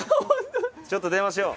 ちょっと電話しよう。